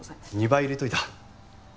２倍入れておいた。